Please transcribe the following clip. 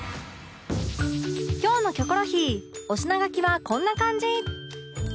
今日の『キョコロヒー』お品書きはこんな感じ